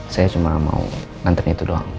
saya cuma mau nganter itu doang